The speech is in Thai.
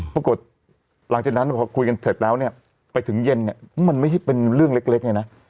ปรากฏหลังจากนั้นพอคุยกันเสร็จแล้วเนี่ยไปถึงเย็นเนี่ยมันไม่ใช่เป็นเรื่องเล็กเลยนะ